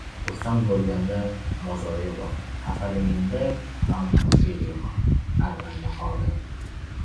Xursand bo‘lganingda mozorga bor, xafaligingda ham o‘sha yerga bor. Arman maqoli